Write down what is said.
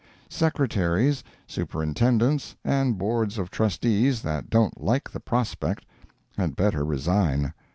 Secretaries, Superintendents, and Boards of Trustees, that don't like the prospect, had better resign.